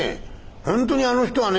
『本当にあの人はね